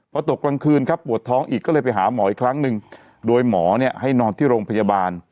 พอตกกลางคืนครับปวดท้องอีกก็เลยไปหาหมออีกครั้งหนึ่งโดยหมอเนี่ยให้นอนที่โรงพยาบาล